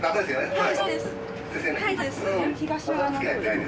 はい。